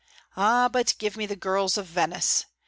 Ah, but give me the girls of Venice!